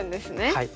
はい。